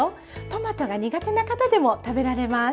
トマトが苦手な方でも食べられます。